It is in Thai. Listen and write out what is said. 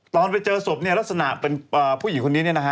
ตอนไปเจอศพลักษณะเป็นผู้หญิงคนนี้